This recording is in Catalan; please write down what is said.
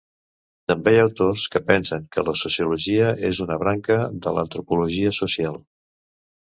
També hi ha autors que pensen que la sociologia és una branca de l'antropologia social.